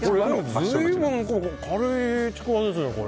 随分軽いちくわですね。